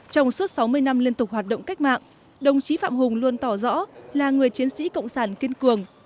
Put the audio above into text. trong suốt sáu mươi năm liên tục hoạt động cách mạng đồng chí phạm hùng luôn tỏ rõ là người chiến sĩ cộng sản kiên cường